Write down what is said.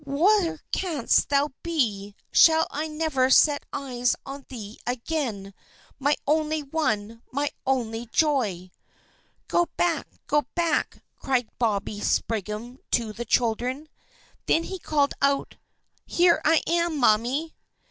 Where canst thou be! Shall I never set eyes on thee again, my only one, my only joy?" "Go back! Go back!" cried Bobby Spriggan to the children. Then he called out: "Here I am, Mammy!"